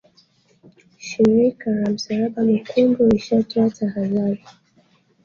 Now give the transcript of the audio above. shirika la msalaba mwekundu lishatoa tahadhari